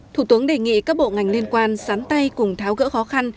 thủ tướng đề nghị các bộ ngành liên quan sán tay cùng tháo gỡ khó khăn